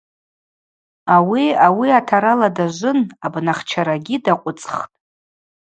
Ауи, ауи атарала дажвын, абнахчарагьи дакъвыцӏхтӏ.